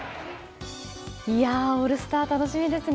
オールスター楽しみですね。